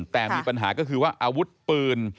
แต่มีปัญหาก็คือว่าอาวุธปืน